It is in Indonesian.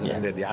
dua tanda kita